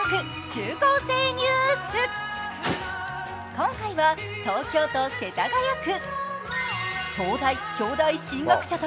今回は東京都世田谷区。